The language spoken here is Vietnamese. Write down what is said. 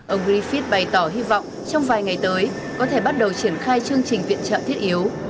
ông griffith bày tỏ hy vọng trong vài ngày tới có thể bắt đầu triển khai chương trình viện trợ thiết yếu